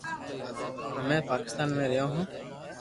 ھمي پاڪستان مي رھيو ھون